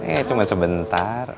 eh cuma sebentar